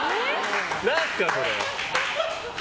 何すか、それ。